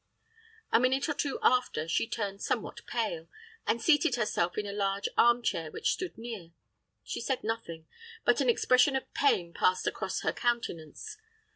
A minute or two after, she turned somewhat pale, and seated herself in a large arm chair which stood near. She said nothing; but an expression of pain passed across her countenance.